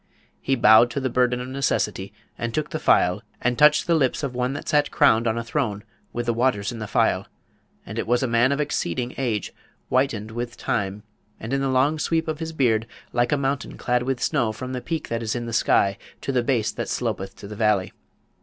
He bowed to the burden of necessity, and took the phial, and touched the lips of one that sat crowned on a throne with the waters in the phial; and it was a man of exceeding age, whitened with time, and in the long sweep of his beard like a mountain clad with snow from the peak that is in the sky to the base that slopeth to the valley.